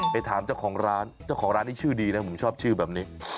ไปถามเจ้าของร้านเจ้าของร้านนี้ชื่อดีนะผมชอบชื่อแบบนี้